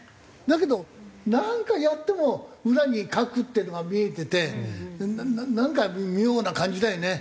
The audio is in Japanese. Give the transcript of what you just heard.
だけどなんかやっても裏に核っていうのが見えててなんか妙な感じだよね。